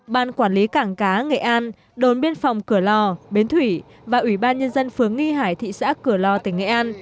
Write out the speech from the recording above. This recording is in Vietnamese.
ban quản lý cảng cá nghệ an đồn biên phòng cửa lò bến thủy và ủy ban nhân dân phướng nghi hải thị xã cửa lò tỉnh nghệ an